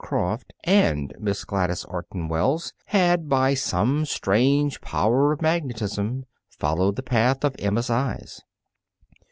Croft, and Miss Gladys Orton Wells had, by some strange power of magnetism, followed the path of Emma's eyes.